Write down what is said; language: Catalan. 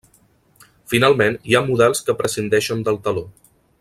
Finalment, hi ha models que prescindeixen del taló.